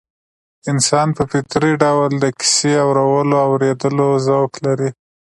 انسان په فطري ډول د کيسې اورولو او اورېدلو ذوق لري